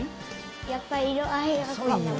やっぱ色合いが。